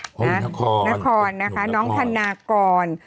นครนครนะคะน้องธนากร